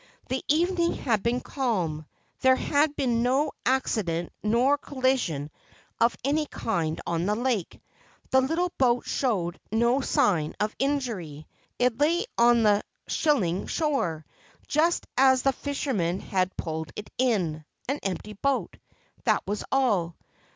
The evening had been calm. There had been no accident or collision of any kind on the lake ; the little boat showed no sign of injury. It lay on the shingly shore, just as the fishermen had pulled it in ; an empty boat. That was all.